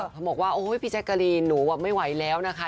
เขาบอกว่าโอ้ยพี่แจ๊กกะรีนหนูไม่ไหวแล้วนะคะ